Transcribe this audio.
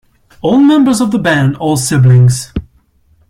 All members of the band are siblings.